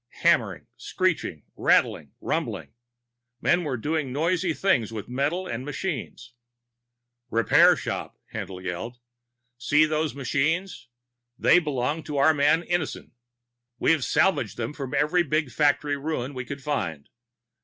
Hammering, screeching, rattling, rumbling. Men were doing noisy things with metal and machines. "Repair shop!" Haendl yelled. "See those machines? They belong to our man Innison. We've salvaged them from every big factory ruin we could find.